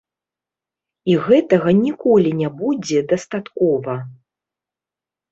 І гэтага ніколі не будзе дастаткова.